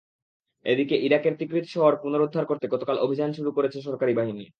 এদিকে ইরাকের তিকরিত শহর পুনরুদ্ধার করতে গতকাল অভিযান শুরু করেছে সরকারি বাহিনী।